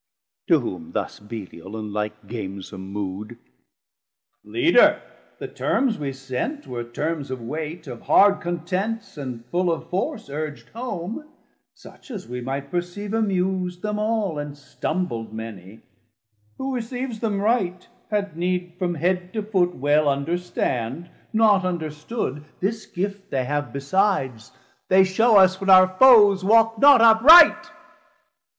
To whom thus Belial in like gamesom mood. 620 Leader, the terms we sent were terms of weight, Of hard contents, and full of force urg'd home, Such as we might perceive amus'd them all, And stumbl'd many, who receives them right, Had need from head to foot well understand; Not understood, this gift they have besides, They shew us when our foes walk not upright.